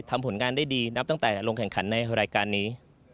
ผลงานได้ดีนับตั้งแต่ลงแข่งขันในรายการนี้